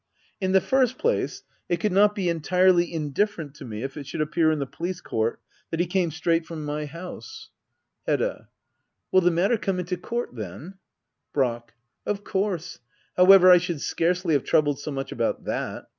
In the first place, it could not be entirely indifferent to me if it should appear in the police court that he came straight from my house. Digitized by Google act iii.] uedda oabler. 137 Hedda. Will the matter come into court then ? Brack. Of course. However, I should scarcely have troubled so much about that.